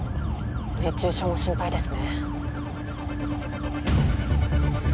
熱中症も心配ですね